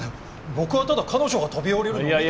僕はただ彼女が飛び降りるのを見ただけ。